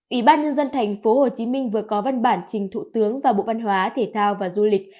ủy ban nhân dân thành phố hồ chí minh vừa có văn bản trình thủ tướng và bộ văn hóa thể thao và du lịch